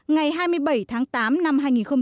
ngày hai mươi bảy tháng tám năm hai nghìn một mươi chín